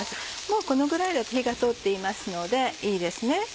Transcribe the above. もうこのぐらいだと火が通っていますのでいいですね。